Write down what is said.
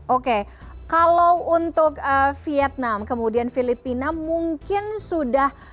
oke kalau untuk vietnam kemudian filipina mungkin sudah